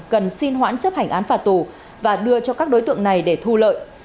cần xin hoãn chấp hành án phạt tù và đưa cho các đối tượng này để thu lợi